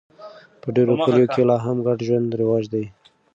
په ډېرو کلیو کې لا هم ګډ ژوند رواج دی.